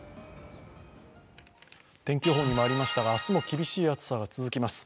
天気予報にもありましたが明日も厳しい暑さが続きます。